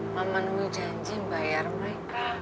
memenuhi janjin bayar mereka